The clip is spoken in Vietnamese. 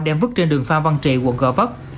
đem vứt trên đường phan văn trị quận gò vấp